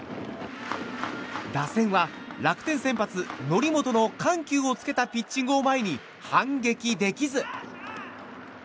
打線は、楽天先発、則本の緩急をつけたピッチングを前に反撃できず。